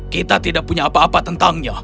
kita tidak punya apa apa tentangnya